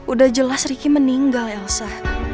udah jelas ricky meninggal elsa